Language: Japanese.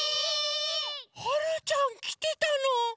はるちゃんきてたの？